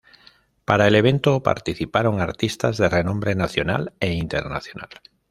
Para el evento participaron artistas de renombre nacional e internacional.